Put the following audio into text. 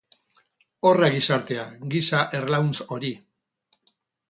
Horra gizartea, giza erlauntz hori.